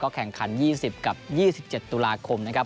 แข่งขัน๒๐กับ๒๗ตุลาคมนะครับ